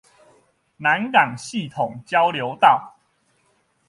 南港系統交流道